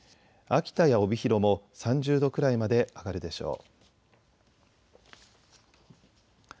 秋田や帯広も３０度くらいまで上がるでしょう。